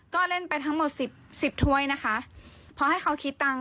ก็เล่นไปทั้งหมด๑๐ถ้วยนะคะเพราะให้เค้าคิดตังค์